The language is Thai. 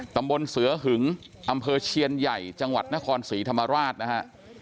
ตำบลเสือหึงอำเภอเชียนใหญ่จังหวัดนครศรีธรรมราชนะฮะ